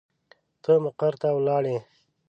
ته مقر ته ولاړې.